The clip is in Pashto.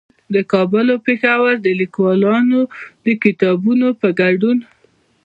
د کابل او پېښور د ليکوالانو د کتابونو په ګډون